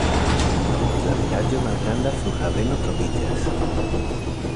Apud la vilaĝo malgranda flughaveno troviĝas.